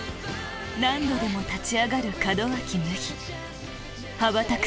何度でも立ち上がる門脇麦羽ばたく